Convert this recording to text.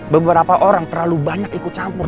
beberapa orang terlalu banyak ikut campur